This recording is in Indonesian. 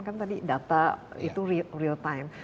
kan tadi data itu real time